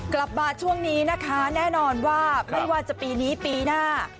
กลับมาช่วงนี้นะคะแน่นอนว่าไม่ว่าจะปีนี้ปีหน้า